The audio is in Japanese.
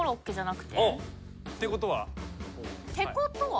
「てことは」？